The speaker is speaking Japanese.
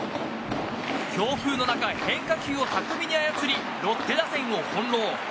強風の中、変化球を巧みに操りロッテ打線を翻弄。